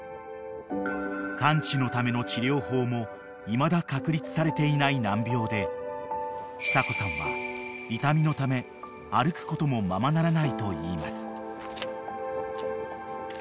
［完治のための治療法もいまだ確立されていない難病で久子さんは痛みのため歩くこともままならないといいます］